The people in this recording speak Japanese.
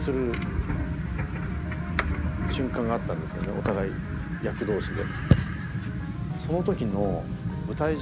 お互い役同士で。